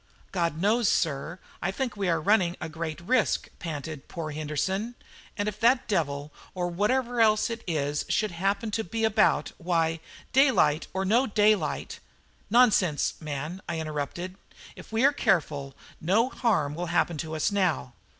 "God knows, sir, I think we are running a great risk," panted poor Henderson; "and if that devil or whatever else it is should happen to be about why, daylight or no daylight " "Nonsense! man," I interrupted; "if we are careful, no harm will happen to us now.